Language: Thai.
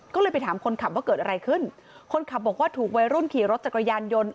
ก็เลยไปถามคนขับว่าเกิดอะไรขึ้นคนขับบอกว่าถูกวัยรุ่นขี่รถจักรยานยนต์